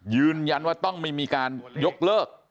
ยืนยันว่าต้องไม่มีการยกเลิก